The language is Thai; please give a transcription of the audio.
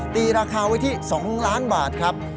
ตีราคาไว้ที่๒ล้านบาทครับ